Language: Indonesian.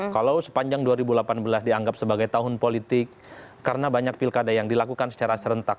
kalau sepanjang dua ribu delapan belas dianggap sebagai tahun politik karena banyak pilkada yang dilakukan secara serentak